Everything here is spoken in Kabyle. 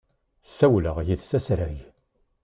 Ssawleɣ yid-s asrag.